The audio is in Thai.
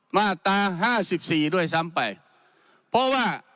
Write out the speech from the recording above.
มาตรา๕๔ด้วยซ้ำไปเพราะว่า